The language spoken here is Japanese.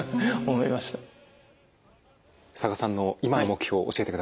佐賀さんの今の目標教えてください。